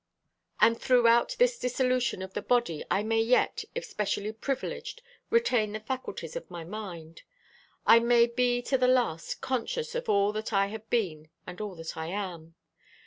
And throughout this dissolution of the body I may yet, if specially privileged, retain the faculties of my mind. I may be to the last conscious of all that I have been and all that I am.